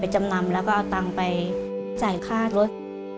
จำนำแล้วก็เอาตังค์ไปจ่ายค่ารถ